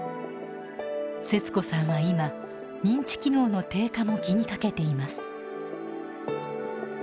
セツ子さんは今認知機能の低下も気にかけています。